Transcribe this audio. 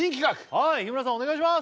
はい日村さんお願いします